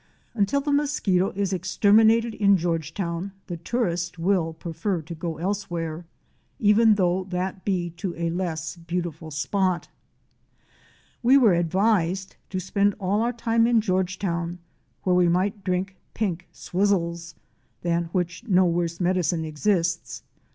Until the mosquito is exterminated in Georgetown the tourist will prefer to go elsewhere, even though that be to a less beautiful spot. Fic. 58. KisKADEE TYRANT FLYCATCHER. We were advised to spend all our time in Georgetown, where we might drink pink swizzles (than which no worse medicine exists!)